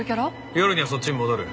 夜にはそっちに戻る。